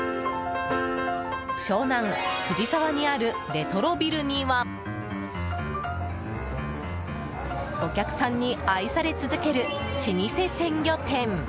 湘南・藤沢にあるレトロビルにはお客さんに愛され続ける老舗鮮魚店。